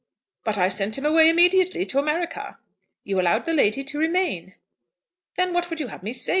"' "But I sent him away immediately, to America." "You allowed the lady to remain." "Then what would you have me say?"